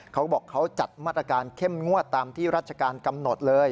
เขาบอกเขาจัดมาตรการเข้มงวดตามที่ราชการกำหนดเลย